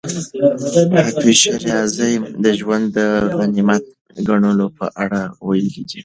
حافظ شېرازي د ژوند د غنیمت ګڼلو په اړه ویلي دي.